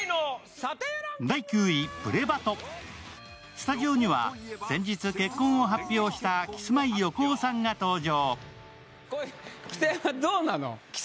スタジオには、先日結婚を発表したキスマイ・横尾さんが登場。